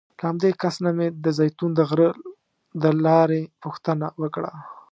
له همدې کس نه مې د زیتون د غره د لارې پوښتنه وکړه.